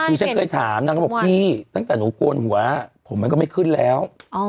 คือฉันเคยถามนางก็บอกพี่ตั้งแต่หนูโกนหัวผมมันก็ไม่ขึ้นแล้ว